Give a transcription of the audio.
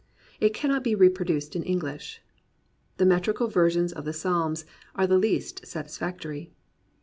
It cannot be reproduced in English. The metrical versions of the Psalms are the least satisfactory.